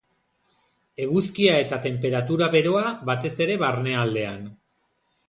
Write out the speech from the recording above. Eguzkia eta tenperatura beroa, batez ere barnealdean.